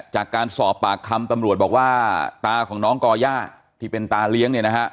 จากการสอบปากคำตำรวจบอกว่าตาของน้องก่อย่าที่เป็นตาเลี้ยงเนี่ยนะฮะ